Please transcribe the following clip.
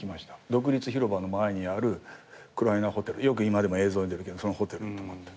独立広場の前にあるウクライナホテルよく今でも映像に出るけどそのホテルに泊まった。